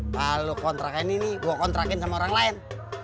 kalau lo kontrakin ini gue kontrakin sama orang lain